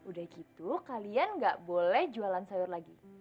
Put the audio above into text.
udah gitu kalian nggak boleh jualan sayur lagi